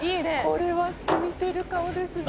「これは染みてる顔ですね」